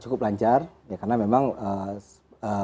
cukup lancar ya karena memang